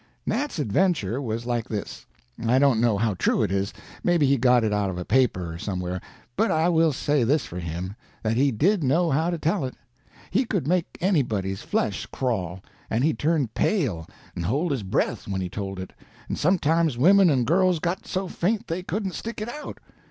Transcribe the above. Nat's adventure was like this; I don't know how true it is; maybe he got it out of a paper, or somewhere, but I will say this for him, that he did know how to tell it. He could make anybody's flesh crawl, and he'd turn pale and hold his breath when he told it, and sometimes women and girls got so faint they couldn't stick it out.